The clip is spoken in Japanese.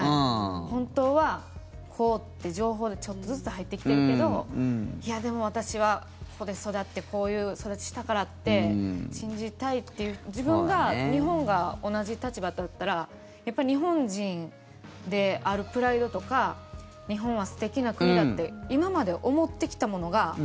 本当は、こうって情報でちょっとずつ入ってきてるけどいやでも私はここで育ってこういう育ちしたからって信じたいという自分が日本が同じ立場だったらやっぱり日本人であるプライドとか日本は素敵な国だって今まで思ってきたものが。